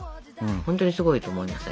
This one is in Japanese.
ほんとにすごいと思いませんか？